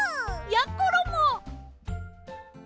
やころも！